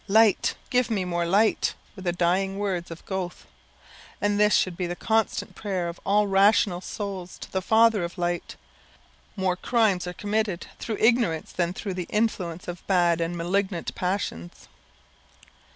"Light! give me more light!" were the dying words of Goethe; and this should be the constant prayer of all rational souls to the Father of light. More crimes are committed through ignorance than through the influence of bad and malignant passions.